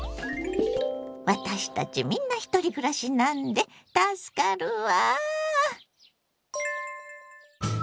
私たちみんなひとり暮らしなんで助かるわ。